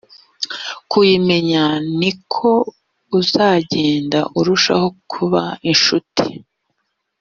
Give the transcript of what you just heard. kuyimenya ni ko uzagenda urushaho kuba incuti